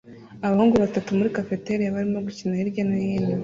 Abahungu batatu muri cafeteria barimo gukina hirya no hino